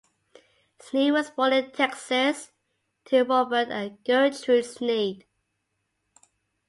Sneed was born in Texas to Robert and Gertrude Sneed.